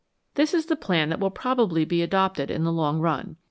This is the plan that will probably be adopted in the long run.